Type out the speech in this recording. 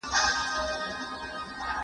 کيسه ييز سبک د فکر ساتنه زياتوي.